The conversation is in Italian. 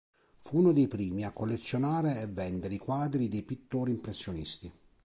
Fu uno dei primi a collezionare e vendere i quadri dei pittori impressionisti.